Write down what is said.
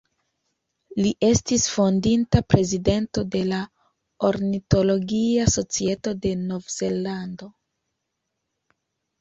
Li estis fondinta Prezidento de la Ornitologia Societo de Novzelando.